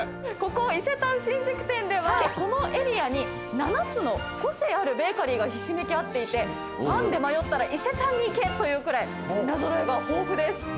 ここ伊勢丹新宿店ではこのエリアに７つの個性あるベーカリーがひしめき合っていてパンで迷ったら伊勢丹に行けというくらい品揃えが豊富です。